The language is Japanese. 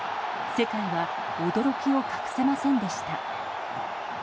世界は驚きを隠せませんでした。